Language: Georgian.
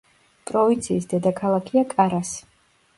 პროვინციის დედაქალაქია კარასი.